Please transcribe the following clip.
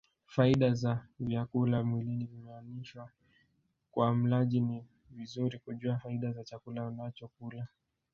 Faida za vyakula mwilini vimeanishwa Kwa mlaji ni vizuri kujua faida za chakula unachokula